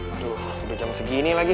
aduh udah jam segini lagi